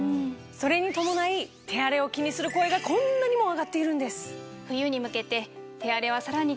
それに伴い手荒れを気にする声がこんなにも上がっているんです！